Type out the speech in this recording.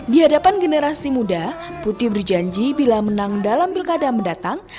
di hadapan generasi muda putih berjanji bila menang dalam pilkada mendatang